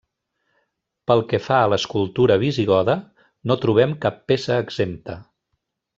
Pel que fa a l'escultura visigoda, no trobem cap peça exempta.